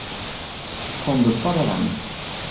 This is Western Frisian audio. Fan de twadde rang.